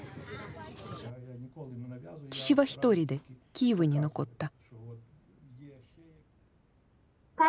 父は１人でキーウに残った。